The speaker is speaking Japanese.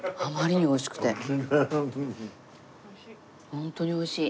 ホントに美味しい。